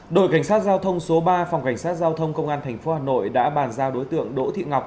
đội cảnh sát giao thông số ba phòng cảnh sát giao thông công an tp hà nội đã bàn giao đối tượng đỗ thị ngọc